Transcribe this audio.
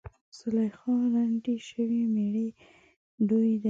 زلیخاوې ړندې شوي مړې ډیوې دي